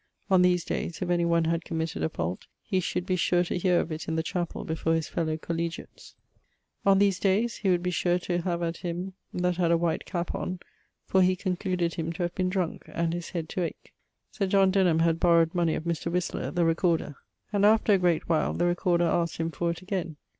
On these dayes, if any one had committed a fault, he should be sure to heare of it in the chapell before his fellow collegiates. have at him that had a white cap on; for he concluded him to have been drunke, and his head to ake. Sir John Denham had borrowed money of Mr. Whistler, the recorder, and, after a great while, the recorder askt him for it again.